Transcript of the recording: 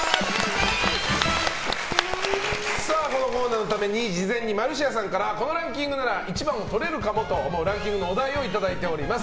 このコーナーのために事前にマルシアさんからこのランキングなら１番をとれるかもと思うランキングのお題をいただいております。